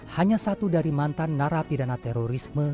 hanya satu dari mantan narapidana terorisme